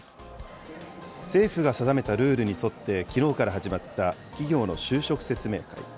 政府が定めたルールに沿ってきのうから始まった企業の就職説明会。